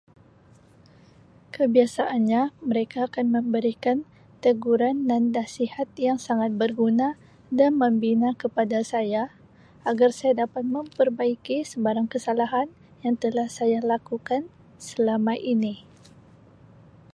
Kebiasaannya mereka akan memberikan teguran dan nasihat yang sangat berguna dan membina kepada saya agar saya dapat memperbaiki sebarang kesalahan yang telah saya lakukan selama ini.